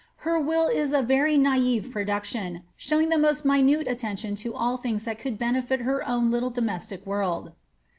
Iler will ia a very naicc production, showing the moat minute attention to til things that could benefit her own little domestic world.